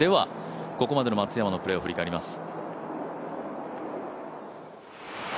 ここまでの松山のプレーを振り返ります。